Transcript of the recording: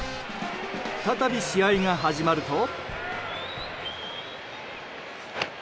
再び試合が始まると。